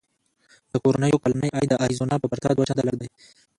د کورنیو کلنی عاید د اریزونا په پرتله دوه چنده لږ دی.